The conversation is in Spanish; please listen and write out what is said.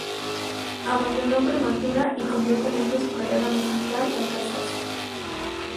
Abandonó prematura, y completamente su carrera musical al casarse.